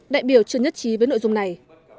đại biểu chưa nhất trí với nội dung này